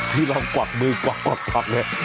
พี่เรากวักมือกวักแหละ